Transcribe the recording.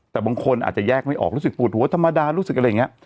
แต่บางคนอาจจะแยกไม่ออกรู้สึกปวดหัวธรรมดารู้สึกอะไรอย่างนี้